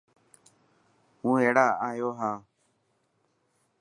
هون هينڙا آيو هان.